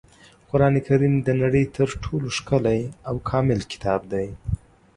قرانکریم د نړۍ تر ټولو ښکلی او کامل کتاب دی.